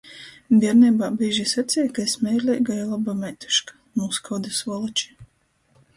Bierneibā bīži saceja, ka es meileiga i loba meituška... Nūskaude, svoloči...